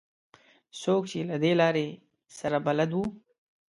څوک چې له دې لارې سره بلد وو.